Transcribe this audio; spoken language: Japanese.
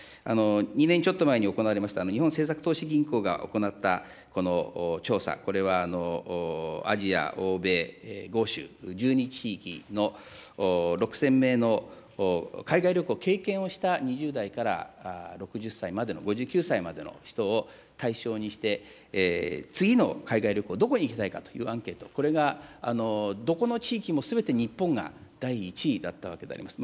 ２年ちょっと前に行われました、日本政策投資銀行が行った調査、これはアジア、欧米、豪州、１２地域の６０００名の海外旅行を経験をした２０代から６０歳までの、５９歳までの人を対象にして、次の海外旅行、どこに行きたいかというアンケート、これがどこの地域もすべて日本が第１位だったわけであります。